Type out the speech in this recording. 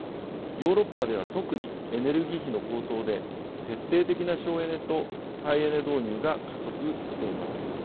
ヨーロッパでは特にエネルギー費の高騰で徹底的な省エネと再エネ導入が加速しています。